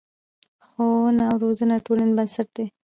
ښوونه او روزنه د ټولنې بنسټ دی.